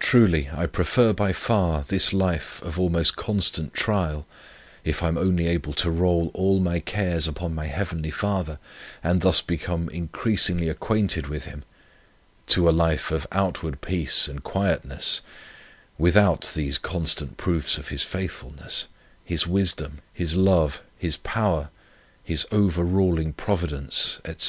"Truly I prefer by far this life of almost constant trial, if I am only able to roll all my cares upon my Heavenly Father, and thus become increasingly acquainted with Him, to a life of outward peace and quietness, without these constant proofs of His faithfulness, His wisdom, His love, His power, His over ruling providence, &c."